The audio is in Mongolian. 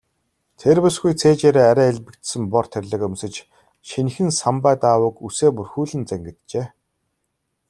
Тэр бүсгүй цээжээрээ арай элбэгдсэн бор тэрлэг өмсөж, шинэхэн самбай даавууг үсээ бүрхүүлэн зангиджээ.